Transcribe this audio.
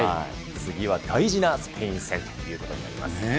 次は大事なスペイン戦ということになります。